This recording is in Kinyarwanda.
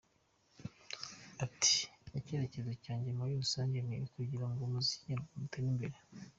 Ati “Icyerekezo cyanjye muri rusange ni ukugira ngo umuziki nyarwanda utere imbere.